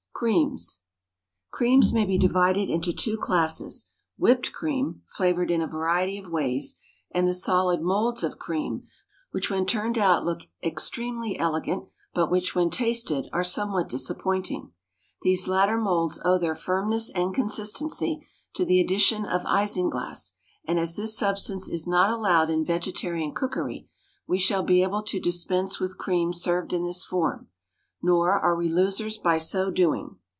CREAMS. Creams may be divided into two classes whipped cream, flavoured in a variety of ways, and the solid moulds of cream, which when turned out look extremely elegant, but which when tasted are somewhat disappointing. These latter moulds owe their firmness and consistency to the addition of isinglass, and, as this substance is not allowed in vegetarian cookery, we shall be able to dispense with cream served in this form, nor are we losers by so doing.